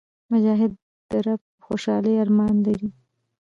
مجاهد د رب د خوشحالۍ ارمان لري.